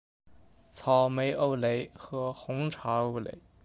草莓欧蕾和红茶欧蕾